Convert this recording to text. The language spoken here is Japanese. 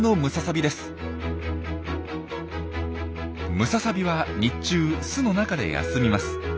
ムササビは日中巣の中で休みます。